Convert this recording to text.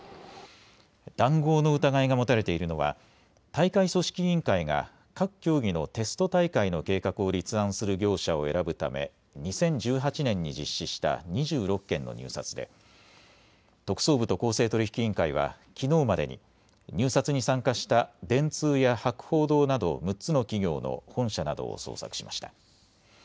談合の疑いが持たれているのは大会組織委員会が各競技のテスト大会の計画を立案する業者を選ぶため２０１８年に実施した２６件の入札で特捜部と公正取引委員会はきのうまでに入札に参加した電通や博報堂など６つの企業の本社などを捜索しました。